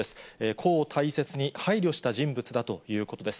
個を大切に配慮した人物だということです。